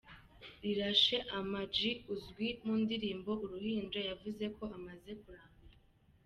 Rirashe Ama G uzwi mu ndirimbo "Uruhinja yavuze ko amaze kurambirwa.